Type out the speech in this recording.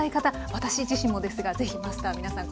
私自身もですが是非マスター皆さん